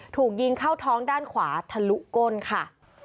ถูกยิงเข้าท้องด้านขวาทะลุก้นค่ะ